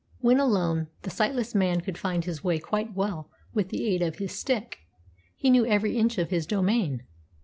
When alone, the sightless man could find his way quite well with the aid of his stick. He knew every inch of his domain.